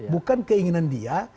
bukan keinginan dia